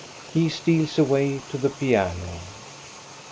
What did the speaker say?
He steals away to the piano.